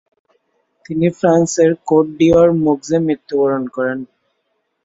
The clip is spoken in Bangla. তিনি ফ্রান্সের কোট- ডি'অর মৌক্সে মৃত্যুবরণ করেন।